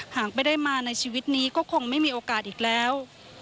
หากไม่ได้มาในชีวิตนี้ก็คงไม่มีโอกาสอีกแล้ว